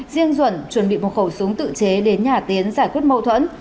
riêng duẩn chuẩn bị một khẩu súng tự chế đến nhà tiến giải quyết mâu thuẫn